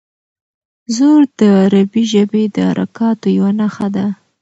زور د عربي ژبې د حرکاتو یوه نښه ده.